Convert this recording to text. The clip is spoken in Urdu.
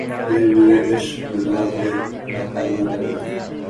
اے مرے عشق بنا ایک ٹھکانہ کوئی